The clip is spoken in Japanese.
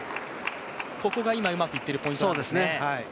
ここが今、うまくいっているポイントなんですね。